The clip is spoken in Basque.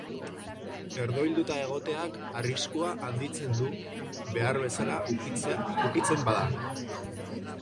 Herdoilduta egoteak arriskua handitzen du, behar bezala ukitzen bada.